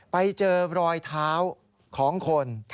ไปเจอรอยเท้าของคน